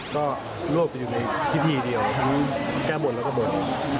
ก็โลกไปอยู่ในพิธีเดียวทั้งแก้บทและกระบด